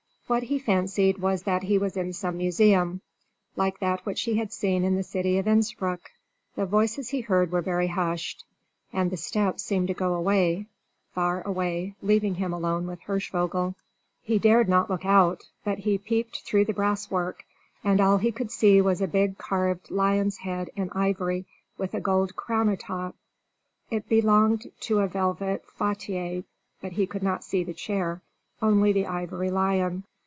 What he fancied was that he was in some museum, like that which he had seen in the city of Innspruck. The voices he heard were very hushed, and the steps seemed to go away, far away, leaving him alone with Hirschvogel. He dared not look out, but he peeped through the brass work, and all he could see was a big carved lion's head in ivory, with a gold crown atop. It belonged to a velvet fauteuil, but he could not see the chair, only the ivory lion.